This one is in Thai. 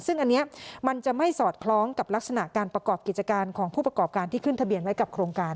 ซึ่งอันนี้มันจะไม่สอดคล้องกับลักษณะการประกอบกิจการของผู้ประกอบการที่ขึ้นทะเบียนไว้กับโครงการ